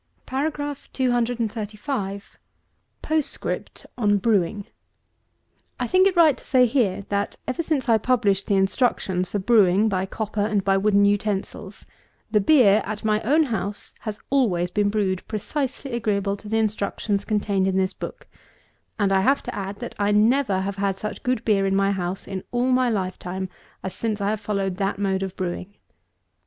235. POSTSCRIPT on brewing. I think it right to say here, that, ever since I published the instructions for brewing by copper and by wooden utensils, the beer at my own house has always been brewed precisely agreeable to the instructions contained in this book; and I have to add, that I never have had such good beer in my house in all my lifetime, as since I have followed that mode of brewing.